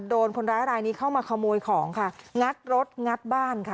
โดนคนร้ายรายนี้เข้ามาขโมยของค่ะงัดรถงัดบ้านค่ะ